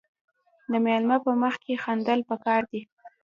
د میلمه په مخ کې خندل پکار دي.